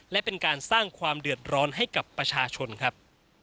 และเป็นการสร้างความเดือดร้อนให้กับประชาชนครับ